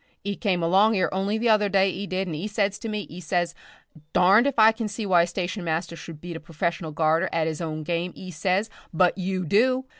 'E came along 'ere only the other day, 'e did, and 'e says to me, 'e says, 'darned 'f I can see why a station master should beat a professional gardener at 'is own game,' 'e says, 'but you do.